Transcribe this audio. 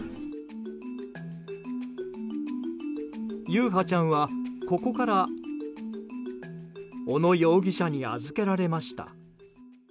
優陽ちゃんはここから小野容疑者に預けられました。